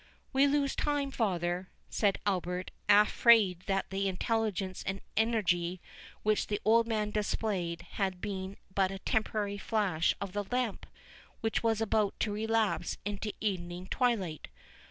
"We lose time, father," said Albert, afraid that the intelligence and energy which the old man displayed had been but a temporary flash of the lamp, which was about to relapse into evening twilight.